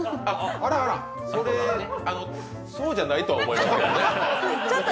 あらら、そうじゃないとは思いますけれどもね。